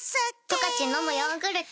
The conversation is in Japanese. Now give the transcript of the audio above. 「十勝のむヨーグルト」